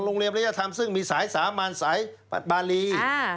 โรงเรียนระยะธรรมซึ่งมีสายสามัญสายบารี